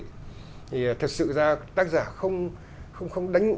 thì thật sự ra tác giả không